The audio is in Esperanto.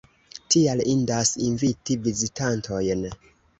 Tial indas inviti vizitantojn.